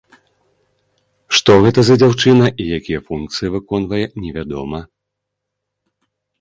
Што гэта за дзяўчына і якія функцыі выконвае невядома.